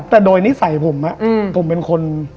แต่โดยนิสัยผมผมเป็นคน